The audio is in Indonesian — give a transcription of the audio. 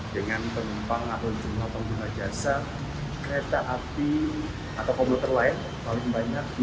dengan penumpang atau jumlah pengguna jasa kereta api atau komputer lain paling banyak